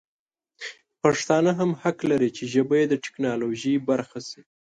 پښتانه هم حق لري چې ژبه یې د ټکنالوژي برخه شي.